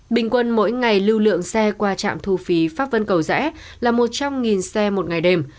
bình quân mỗi ngày lưu lượng xe qua trạm thu phí pháp vân cầu rẽ là một trăm linh xe một ngày đêm